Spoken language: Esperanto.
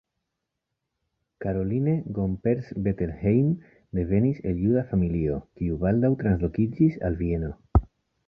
Caroline Gomperz-Bettelheim devenis el juda familio, kiu baldaŭ translokiĝis al Vieno.